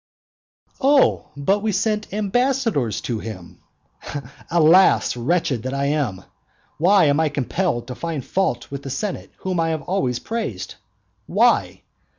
"Oh, but we have sent ambassadors to him." Alas, wretched that I am! why am I compelled to find fault with the senate whom I have always praised? Why?